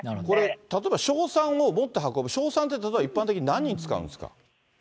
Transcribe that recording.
例えば硝酸を持って運ぶ、硝酸って例えば一般的に何に使うんですか。